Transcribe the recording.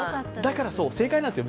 だから正解なんですよ